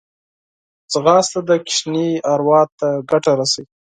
ځغاسته د ماشوم اروا ته ګټه رسوي